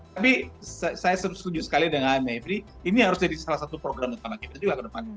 tapi saya setuju sekali dengan mevri ini harus jadi salah satu program utama kita juga ke depan